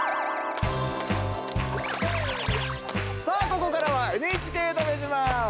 さあここからは「ＮＨＫだめ自慢」。